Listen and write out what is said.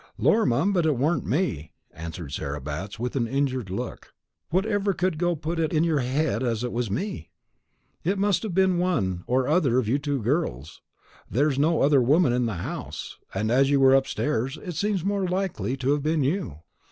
"Lor, mum, but it warn't me," answered Sarah Batts with an injured look. "Whatever could go to put it in your head as it was me?" "It must have been one or other of you two girls. There's no other woman in the house; and as you were upstairs, it seems more likely to have been you.